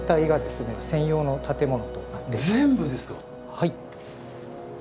はい。